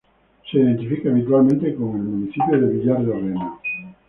Su identifica habitualmente con el municipio de villar de Rena.